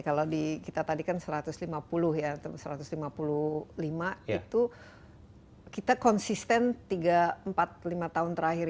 kalau di kita tadi kan satu ratus lima puluh ya satu ratus lima puluh lima itu kita konsisten tiga empat lima tahun terakhir